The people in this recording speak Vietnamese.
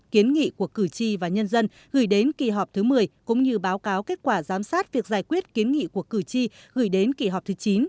kiến nghị của cử tri và nhân dân gửi đến kỳ họp thứ một mươi cũng như báo cáo kết quả giám sát việc giải quyết kiến nghị của cử tri gửi đến kỳ họp thứ chín